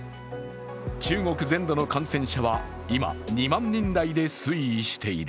中国全土の感染者は今、２万人台で推移している。